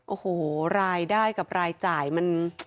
โอ้โหรายได้กับรายจ่ายมัน